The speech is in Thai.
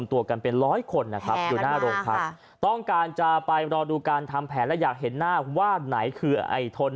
แทนมากค่ะอยู่หน้าโรงพักต้องการจะไปรอดูการทำแผนและอยากเห็นหน้าว่าไหนคือไอธน